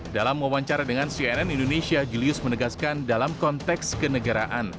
dalam wawancara dengan cnn indonesia julius menegaskan dalam konteks kenegaraan